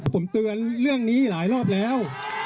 ผมเตือนเรื่องนี้หลายรอบแล้ว